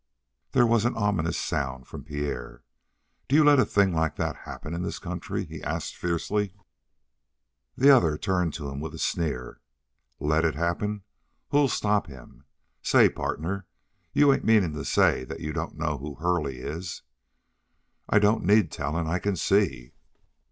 There was an ominous sound from Pierre: "Do you let a thing like that happen in this country?" he asked fiercely. The other turned to him with a sneer. "Let it happen? Who'll stop him? Say, partner, you ain't meanin' to say that you don't know who Hurley is?" "I don't need telling. I can see."